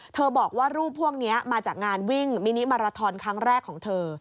บอกว่ารูปพวกนี้มาจากงานวิ่งมินิมาราทอนครั้งแรกของเธอ